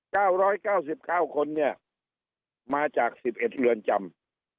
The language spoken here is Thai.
เก้าร้อยเก้าสิบเก้าคนเนี่ยมาจากสิบเอ็ดเรือนจำ